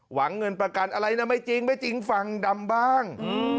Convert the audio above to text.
หวังเงินประกันอะไรนะไม่จริงฝั่งดำบ้าง